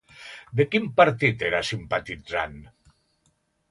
De quin partit era simpatitzant?